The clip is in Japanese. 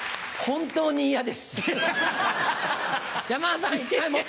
本当に嫌です。